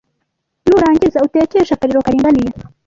nurangiza utekeshe akariro karinganiye.